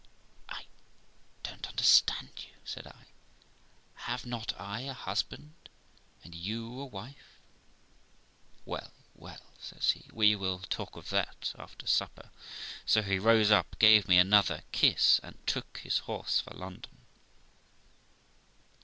'I don't understand you', said I. 'Have not I a husband and you a wife ?' 'Well, well', says he, 'we will talk of that after supper'; so he rose up, gave me another kiss, and took his horse for London.